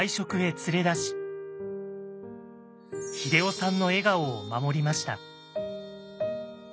連れ出し英夫さんの笑顔を守りました。